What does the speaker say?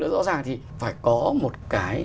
rõ ràng thì phải có một cái